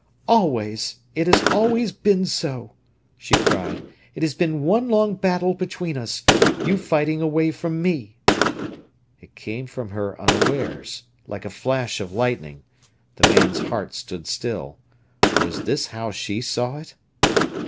"Always—it has always been so!" she cried. "It has been one long battle between us—you fighting away from me." It came from her unawares, like a flash of lightning. The man's heart stood still. Was this how she saw it?